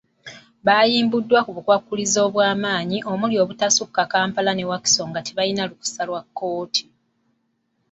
Bayimbudwa ku bukwakkulizo obwamaanyi omuli obutasukka Kampala ne Wakiso nga tebalina lukkusa lwa kkooti.